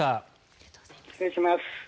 失礼します。